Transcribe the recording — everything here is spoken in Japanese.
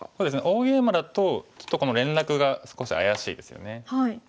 大ゲイマだとちょっとこの連絡が少し怪しいですよね。